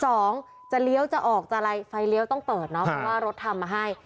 จะเลี้ยวจะออกจะอะไรไฟเลี้ยวต้องเปิดเนาะเพราะว่ารถทำมาให้